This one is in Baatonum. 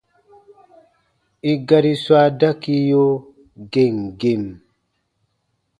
I gari swa dakiyo gem gem.